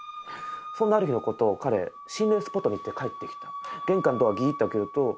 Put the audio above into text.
そんなある日のこと彼心霊スポットに行って帰ってきた。